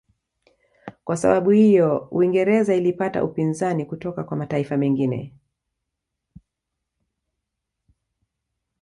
Kwa sababu iyo Uingereza ilipata upinzani kutoka kwa mataifa mengine